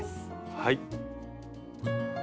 はい。